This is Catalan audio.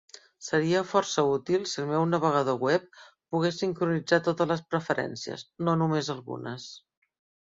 Seria força útil si el meu navegador web pogués sincronitzar totes les preferències, no només algunes.